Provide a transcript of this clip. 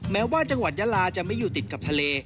แม้ว่าจังหวัดยาลาจะไม่อยู่ติดกับทะเล